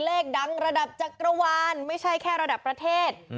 เลขดังระดับจักรวาลไม่ใช่แค่ระดับประเทศ